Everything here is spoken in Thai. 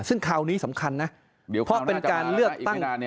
ซึ่งคราวนี้สำคัญนะเพราะเป็นการเลือกตั้ง